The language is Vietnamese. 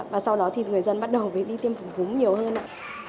và sau đó thì người dân bắt đầu phải đi tiêm phòng cúm nhiều hơn ạ